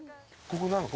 ここ何だ？